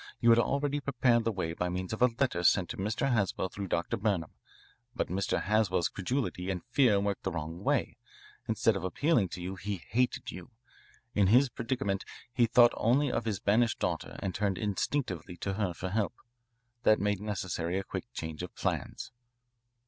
You had already prepared the way by means of a letter sent to Mr. Haswell through Dr. Burnham. But Mr. Haswell's credulity and fear worked the wrong way. Instead of appealing to you he hated you. In his predicament he thought only of his banished daughter and turned instinctively to her for help. That made necessary a quick change of plans."